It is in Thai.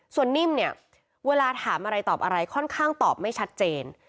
ส่วนนิ่มเนี่ยเวลาถามอะไรตอบอะไรค่อนข้างตอบไม่ชัดเจน